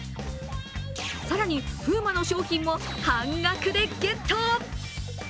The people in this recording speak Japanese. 更にプーマの商品も半額でゲット。